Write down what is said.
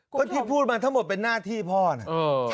ก็ที่พูดมาทั้งหมดเป็นหน้าที่พ่อนะ